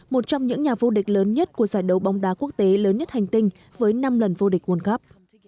một trong những nhà vô địch lớn nhất của giải đấu bóng đá quốc tế lớn nhất hành tinh với năm lần vô địch world cup